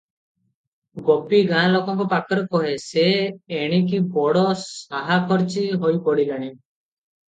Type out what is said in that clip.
ଗୋପୀ ଗାଁ ଲୋକଙ୍କ ପାଖରେ କହେ, ସେ ଏଣିକି ବଡ଼ ସାହାଖର୍ଚ୍ଚୀ ହୋଇପଡ଼ିଲାଣି ।